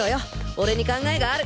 俺に考えがある。